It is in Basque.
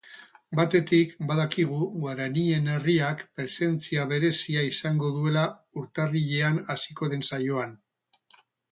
Batetik, badakigu guaranien herriak presentzia berezia izango duela urtarrilean hasiko den saioan.